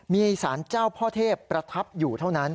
มีสารเจ้าพ่อเทพประทับอยู่เท่านั้น